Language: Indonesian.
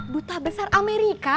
duta besar amerika